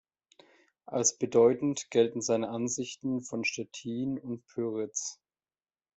Als bedeutend gelten seine Ansichten von Stettin und Pyritz.